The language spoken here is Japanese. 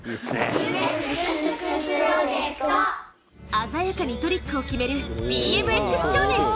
鮮やかにトリックを決めるＢＭＸ少年。